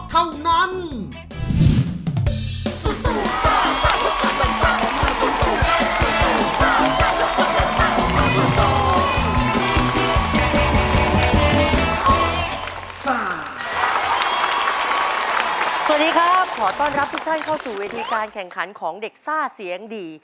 สวัสดีครับขอต้อนรับททันเข้าการแข่งขันของเด็กซ่าเสียงดี